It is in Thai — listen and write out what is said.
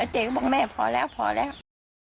เจ๊ก็บอกแม่พอแล้วพอแล้ว